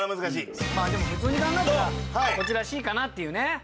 でも普通に考えたらこちらＣかなっていうね。